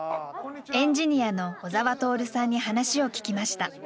エンジニアの小澤徹さんに話を聞きました。